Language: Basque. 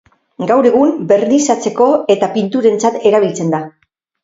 Gaur egun bernizatzeko eta pinturentzat erabiltzen da.